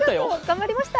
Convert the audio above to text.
頑張りました。